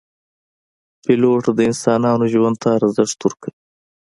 پیلوټ د انسانانو ژوند ته ارزښت ورکوي.